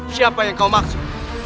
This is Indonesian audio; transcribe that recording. siapa yang kau maksud